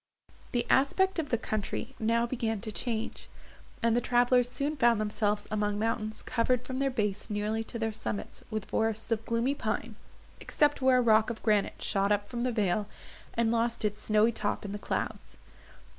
The aspect of the country now began to change, and the travellers soon found themselves among mountains covered from their base nearly to their summits with forests of gloomy pine, except where a rock of granite shot up from the vale, and lost its snowy top in the clouds.